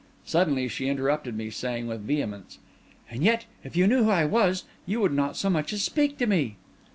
Suddenly she interrupted me, saying with vehemence— "And yet, if you knew who I was, you would not so much as speak to me!"